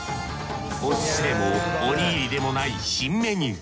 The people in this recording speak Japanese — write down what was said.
お寿司でもおにぎりでもない新メニュー。